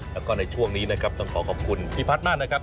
แล้วก็ในช่วงนี้นะครับต้องขอขอบคุณพี่พัฒน์มากนะครับ